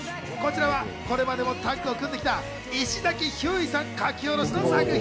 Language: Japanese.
これまでもタッグを組んできた、石崎ひゅーいさん書き下ろしの作品。